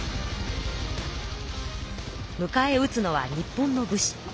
むかえうつのは日本の武士。